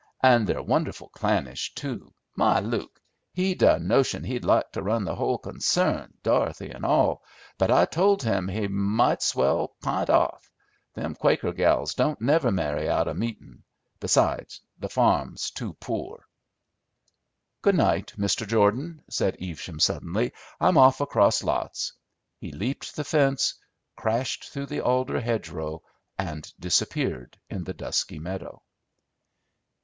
And they're wonderful clannish, too. My Luke, he'd a notion he'd like to run the hull concern, Dorothy 'n' all; but I told him he might's well p'int off. Them Quaker gals don't never marry out o' meetin'. Besides, the farm's too poor." "Good night, Mr. Jordan," said Evesham suddenly. "I'm off across lots." He leaped the fence, crashed through the alder hedgerow, and disappeared in the dusky meadow.